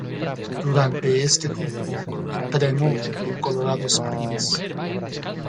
Durante este tiempo, entrenó en Colorado Springs.